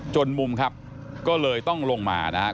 มุมครับก็เลยต้องลงมานะครับ